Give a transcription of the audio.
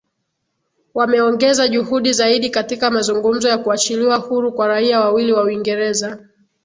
wameongeza juhudi zaidi katika mazungumzo ya kuachiliwa huru kwa raia wawili wa uingereza